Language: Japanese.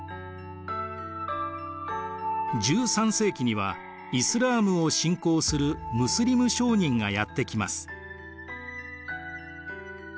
１３世紀にはイスラームを信仰するムスリム商人がやって来ます。